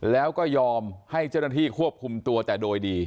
แล้วก็ยอมให้เจ้าหน้าที่ควบคุมตัวแต่โดยดี